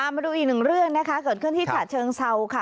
มาดูอีกหนึ่งเรื่องนะคะเกิดขึ้นที่ฉะเชิงเซาค่ะ